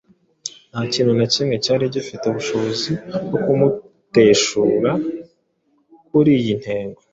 Nta kintu na kimwe cyari gifite ubushobozi bwo kumuteshura kuri iyi ntego.